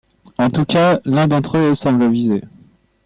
En tout cas, l'un d'entre eux semble visé.